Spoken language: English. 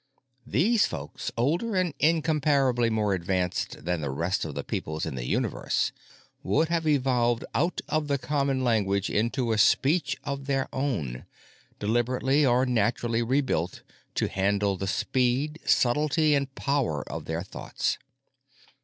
These folk—older and incomparably more advanced than the rest of the peoples in the universe—would have evolved out of the common language into a speech of their own, deliberately or naturally rebuilt to handle the speed, subtlety, and power of their thoughts.